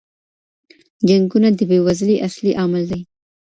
جنګونه د بې وزلۍ اصلی عامل دي.